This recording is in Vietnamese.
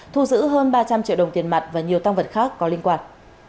thu giữ hơn ba trăm linh triệu đồng tiền mặt và nhiều tăng vật khác có liên quan